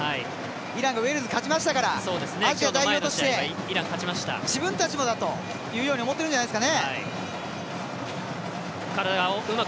イランがウェールズに勝ちましたからアジア代表として自分たちもだというように思ってるんじゃないですかね。